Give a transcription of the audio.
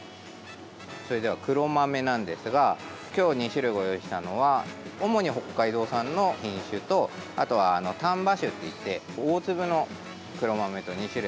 それでは、黒豆なんですが今日、２種類ご用意したのは主に北海道産の品種とあとは、丹波種っていって大粒の黒豆と２種類あります。